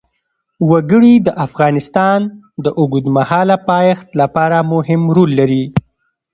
وګړي د افغانستان د اوږدمهاله پایښت لپاره مهم رول لري.